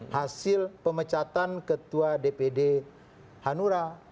hasil pemecatan ketua dpd hanura